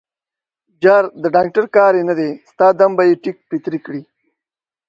_جار، د ډانګټر کار يې نه دی، ستا دم به يې ټک پتری کړي.